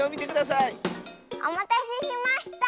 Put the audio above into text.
おまたせしました！